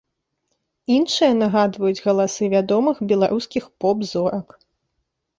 Іншыя нагадваюць галасы вядомых беларускіх поп-зорак.